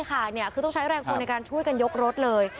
ค่ะเนี๊ยะคือต้องใช้แรงคนในการช่วยกันยกรถเลย